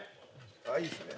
あっいいですね。